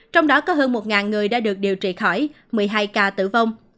trong đó có hơn một người đã được điều trị khỏi một mươi hai ca tử vong